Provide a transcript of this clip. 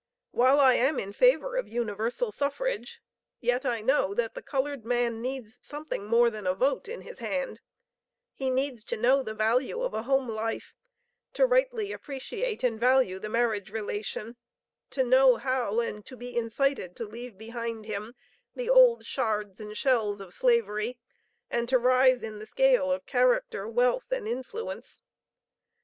While I am in favor of Universal suffrage, yet I know that the colored man needs something more than a vote in his hand: he needs to know the value of a home life; to rightly appreciate and value the marriage relation; to know how and to be incited to leave behind him the old shards and shells of slavery and to rise in the scale of character, wealth and influence.